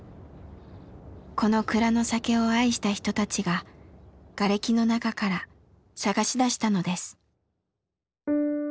この蔵の酒を愛した人たちがガレキの中から探し出したのです。